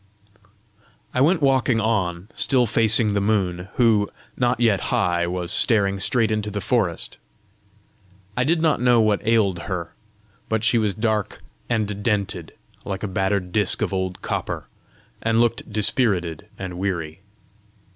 I went walking on, still facing the moon, who, not yet high, was staring straight into the forest. I did not know what ailed her, but she was dark and dented, like a battered disc of old copper, and looked dispirited and weary.